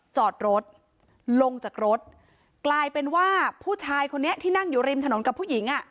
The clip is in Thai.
จอดรถลงจากรถกลายเป็นว่าผู้ชายคนนี้ที่นั่งอยู่ริมถนนกับผู้หญิงอ่ะ